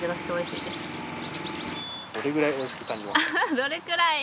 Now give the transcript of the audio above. どれくらい？